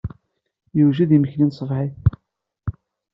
Yewjed yimekli n tṣebḥit.